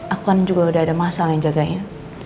aku kan juga udah ada masalah yang jaganya